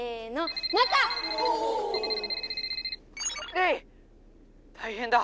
「レイたいへんだ！